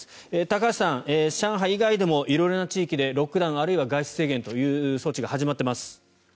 高橋さん、上海以外でも色々な地域でロックダウンあるいは外出制限という措置が始まっています。